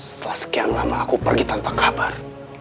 setelah sekian lama aku pergi tanpa kabar